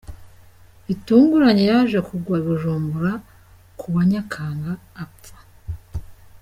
Bitunguranye yaje kugwa i Bujumbura kuwa Nyakanga apfa